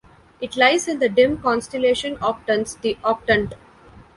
It lies in the dim constellation Octans, the Octant.